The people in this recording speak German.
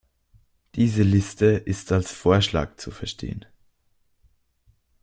Diese Liste ist als Vorschlag zu verstehen.